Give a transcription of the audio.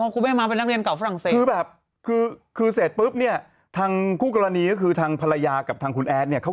ก็ใช่ไงอย่างเมื่อวานที่เขาเนี่ยพูด